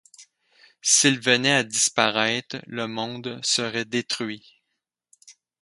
S'ils venaient à disparaître, le monde serait détruit.